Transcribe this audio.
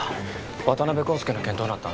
渡辺康介の件どうなった？